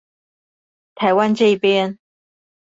台灣這邊